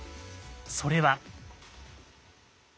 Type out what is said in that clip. それは。